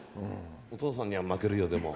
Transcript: お父さんには負けるよでも。